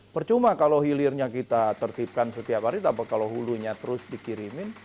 percuma kalau hilirnya kita tertipkan setiap hari tapi kalau hulunya terus dikirimin